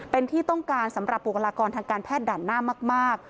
เป็นที่ต้องการสำหรับบุคลากรทางการแพทย์ด่านหน้ามาก